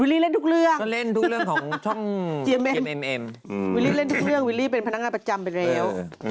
วิลลี่เล่นทุกเรื่องที่มมมวิลลี่เล่นทุกเรื่องวิลลี่เป็นพนักงานประจำเป็นเร็ว